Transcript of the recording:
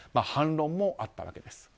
反論もあったわけです。